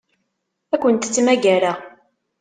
Ur kent-ttmagareɣ.